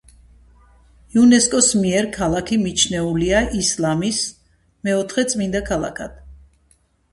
იუნესკოს მიერ ქალაქი მიჩნეულია ისლამის „მეოთხე წმინდა ქალაქად“.